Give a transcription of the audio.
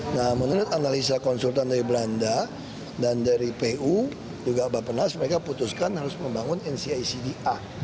nah menurut analisa konsultan dari belanda dan dari pu juga bapak nas mereka putuskan harus membangun ncicda